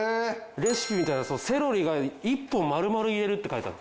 レシピ見たらそうセロリが一本丸々入れるって書いてあった。